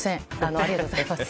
ありがとうございます。